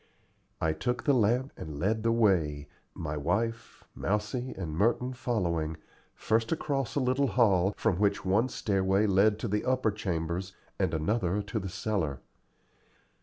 I took the lamp and led the way my wife, Mousie, and Merton following first across a little hall, from which one stairway led to the upper chambers and another to the cellar.